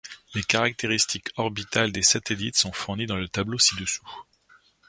Les caractéristiques orbitales des satellites sont fournies dans le tableau ci-dessous.